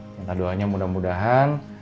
minta doanya mudah mudahan